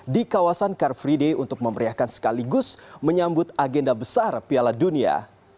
di kawasan car free day untuk memeriahkan sekaligus menyambut agenda besar piala dunia